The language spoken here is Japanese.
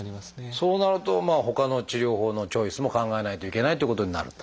そうなるとほかの治療法のチョイスも考えないといけないということになると。